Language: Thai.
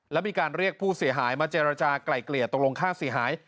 และมีการเรียกผู้เสียหายมาเจรจากลายเกลี่ยตกลงค่าเสียหาย